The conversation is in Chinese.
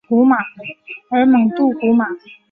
而蒙杜古马。